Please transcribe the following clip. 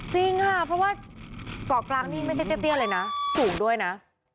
จริงค่ะเพราะว่าเกาะกลางนี่ไม่ใช่เตี้ยเลยนะสูงด้วยนะ